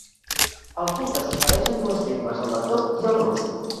El culte s'ofereix en dues llengües el letó i el rus.